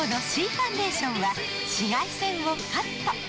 ファンデーションは紫外線をカット。